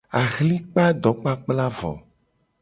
Ahli kpa dokplakpla vo.